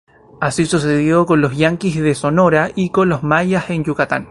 Así sucedió con los yaquis de Sonora y con los mayas en Yucatán.